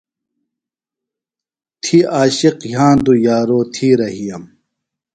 تھی عاشق یھاندُوۡ یارو تھی رھِیم۔